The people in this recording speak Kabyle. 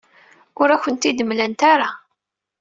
Ur ak-tent-id-mlant ara.